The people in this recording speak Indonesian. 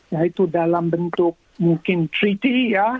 yaitu dalam bentuk mungkin treaty ya